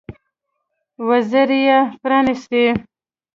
وزرې يې پرانيستې.